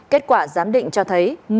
kết quả giám định cho thấy